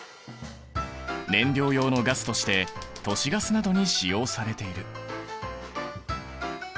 燃料用のガスとして都市ガスなどに使用されている。